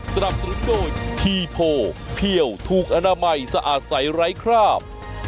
สนับสนุนโดยทีโพเพี่ยวถูกอนามัยสะอาดใสไร้คราบ